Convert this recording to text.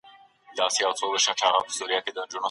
د قانون واکمني د پرمختګ شرط دی.